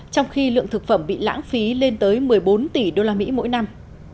trong khi lượng thực phẩm bị lãng phí lên tới một mươi bốn tỷ usd mỗi năm